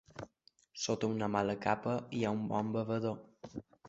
Sota una mala capa hi ha un bon bevedor.